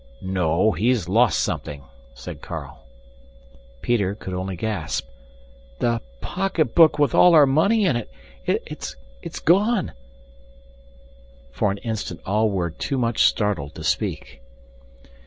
"No, he's lost something," said Carl. Peter could only gasp, "The pocketbook with all our money in it it's gone!" For an instant all were too much startled to speak.